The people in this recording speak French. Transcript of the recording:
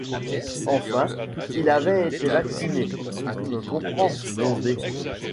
Enfin il avait été vacciné, tu me comprends, Blondet.